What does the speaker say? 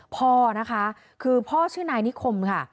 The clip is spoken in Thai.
พ่อนะคะคือพ่อชื่อนายนิคมค่ะ